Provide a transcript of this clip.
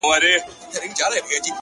راځه د ژوند په چل دي پوه کړمه زه،